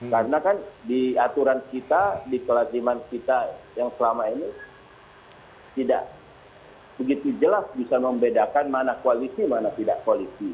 karena kan di aturan kita di kelatiman kita yang selama ini tidak begitu jelas bisa membedakan mana koalisi mana tidak koalisi